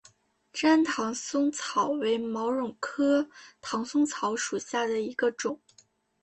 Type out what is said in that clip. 粘唐松草为毛茛科唐松草属下的一个种。